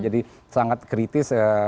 jadi sangat kritis